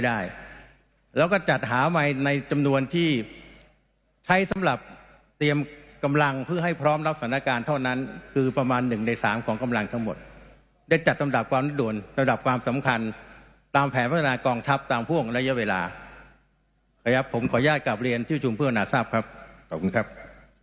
ในการจัดหาเกี่ยวกับยุทธกรหรือเครื่องมือที่ใช้ในการจัดหาเกี่ยวกับยุทธกรหรือเครื่องมือที่ใช้ในการจัดหาเกี่ยวกับยุทธกรหรือเครื่องมือที่ใช้ในการจัดหาเกี่ยวกับยุทธกรหรือเครื่องมือที่ใช้ในการจัดหาเกี่ยวกับยุทธกรหรือเครื่องมือที่ใช้ในการจัดหาเกี่ยวกับยุทธกรหรือเครื่อง